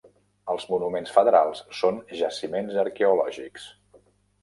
Els monuments federals són jaciments arqueològics.